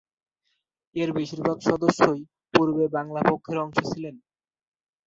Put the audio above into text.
এর বেশিরভাগ সদস্যই পূর্বে বাংলা পক্ষের অংশ ছিলেন।